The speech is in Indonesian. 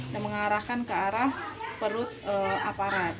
yang mengarahkan ke arah perut aparat